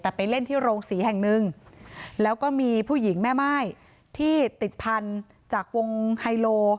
แต่ไปเล่นที่โรงศรีแห่งหนึ่งแล้วก็มีผู้หญิงแม่ม่ายที่ติดพันธุ์จากวงไฮโล